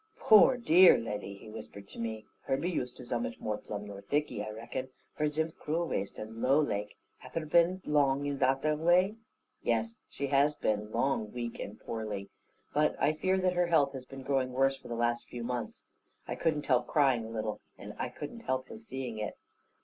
"Poor dear leddy," he whispered to me, "her be used to zummut more plum nor thiccy, I reckon. Her zimth crule weist and low laike. Hath her been long in that there wai?" "Yes, she has long been weak and poorly; but I fear that her health has been growing worse for the last few months." I couldn't help crying a little; and I couldn't help his seeing it.